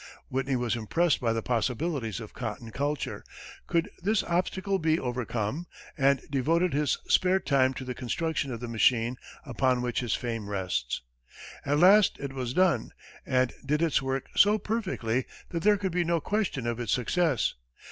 Whitney was impressed by the possibilities of cotton culture, could this obstacle be overcome, and devoted his spare time to the construction of the machine upon which his fame rests. At last it was done, and did its work so perfectly that there could be no question of its success.